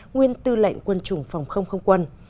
nguyên tư lệnh quân chủng phòng không không quân